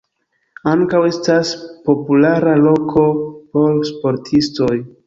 Ankaŭ estas populara loko por sportistoj.